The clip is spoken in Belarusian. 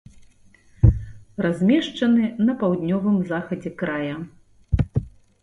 Размешчаны на паўднёвым захадзе края.